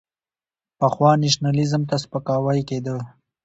پخوا نېشنلېزم ته سپکاوی کېده.